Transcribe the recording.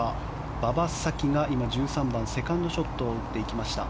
馬場咲希が１３番セカンドショットを打っていきました。